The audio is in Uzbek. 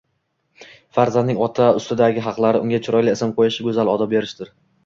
Farzandning ota ustidagi haqlari unga chiroyli ism qo‘yish, go‘zal odob berishdir.